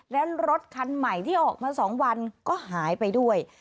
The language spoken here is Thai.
และรถคันใหม่ที่ออกมา๒วันก็หายไปด้วย